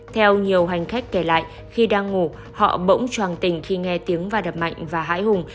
theo nhiều hành khách kể lại khi đang ngủ họ bỗng tròn tình khi nghe tiếng và đập mạnh và hãi hùng